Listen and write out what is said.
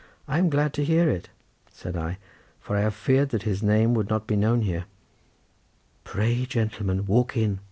"I am glad to hear it," said I, "for I half feared that his name would not be known here." "Pray, gentleman, walk in!"